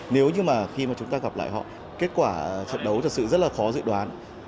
nếu như mà khi mà chúng ta gặp lại họ kết quả trận đấu thật sự rất là khó dự đoán